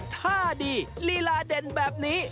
ท่าดีลีลาเด่นแบบนี้